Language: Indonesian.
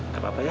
gak apa apa ya